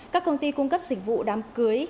các công ty cung cấp dịch vụ đám cưới